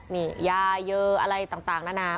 นี่ยาเยอะอนเรไ์ต่างน่ะนา